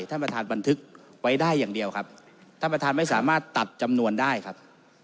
ท่านประธานบันทึกไว้ได้อย่างเดียวครับท่านประธานไม่สามารถตัดจำนวนได้ครับ